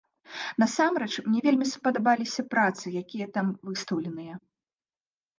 Насамрэч, мне вельмі спадабаліся працы, якія там выстаўленыя.